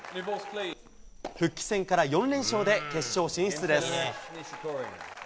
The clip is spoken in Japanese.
復帰戦から４連勝で、決勝進出です。